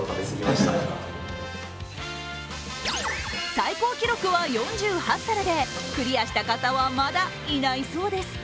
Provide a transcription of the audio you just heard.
最高記録は４８皿でクリアした方はまだいないそうです。